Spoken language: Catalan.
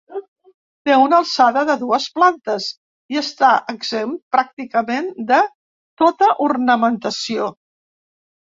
Té una alçada de dues plantes i està exempt pràcticament de tota ornamentació.